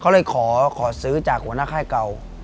เขาเลยขอซื้อจากหัวหน้าค่ายเก่า